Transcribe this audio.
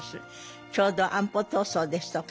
ちょうど安保闘争ですとか